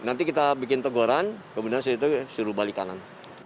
nanti kita bikin teguran kemudian suruh balik kanan